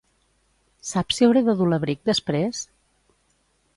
Saps si hauré de dur l'abric després?